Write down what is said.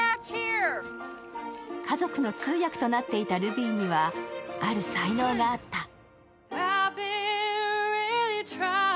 家族の通訳となっていたルビーにはある才能があった。